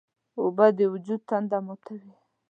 اوبه د وجود تنده ماتوي.